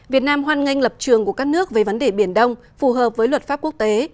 việt nam hoan nghênh lập trường của các nước về vấn đề biển đông phù hợp với luật pháp quốc tế